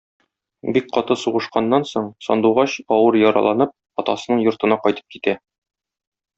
Бик каты сугышканнан соң, Сандугач, авыр яраланып, атасының йортына кайтып китә.